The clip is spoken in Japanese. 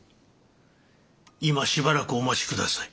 今しばらくお待ち下さい。